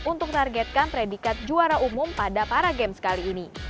untuk targetkan predikat juara umum pada paragames kali ini